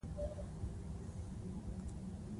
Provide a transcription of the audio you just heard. سفر ستړی کوي؟